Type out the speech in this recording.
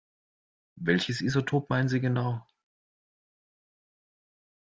Welches Isotop meinen Sie genau?